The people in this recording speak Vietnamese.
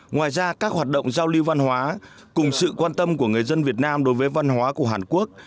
ngoài ra các hoạt động giao lưu văn hóa cùng sự quan tâm của người dân việt nam đối với văn hóa của hàn quốc